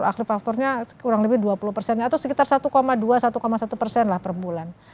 aflifaktornya kurang lebih dua puluh atau sekitar satu dua satu satu lah perbulan